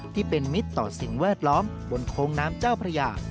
ที่เป็นมิตรต่อสิ่งแวดล้อมบนโค้งน้ำเจ้าพระยา